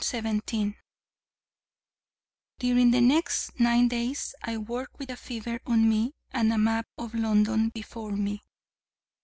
During the next nine days I worked with a fever on me, and a map of London before me.